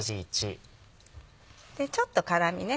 ちょっと辛みね